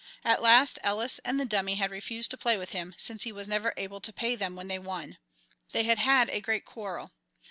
At last Ellis and the Dummy had refused to play with him, since he was never able to pay them when they won. They had had a great quarrel.